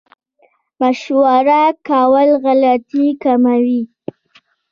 مشوره کول غلطي کموي